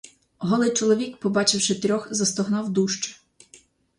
Голий чоловік, побачивши трьох, застогнав дужче.